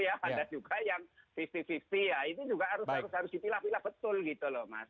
ada juga yang lima puluh lima puluh ya itu juga harus harus dipilah pilah betul gitu loh mas